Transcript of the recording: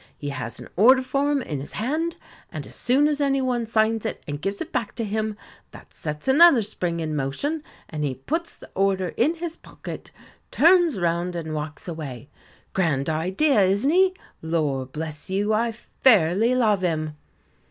He has an order form in his hand, and as soon as anyone signs it and gives it back to him, that sets another spring in motion, and he puts the order in his pocket, turns round, and walks away. Grand idea, isn't he? Lor' bless you, I fairly love him."